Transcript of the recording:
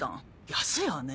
安いわね。